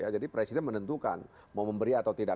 jadi presiden menentukan mau memberi atau tidak